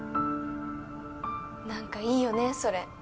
なんかいいよねそれ。